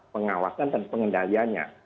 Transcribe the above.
pengawasan dan pengendalianya